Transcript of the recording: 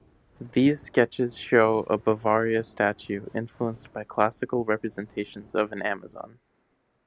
These sketches show a Bavaria statue influenced by classical representations of an Amazon.